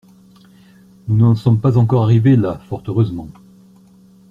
Nous n’en sommes pas encore arrivés là, fort heureusement.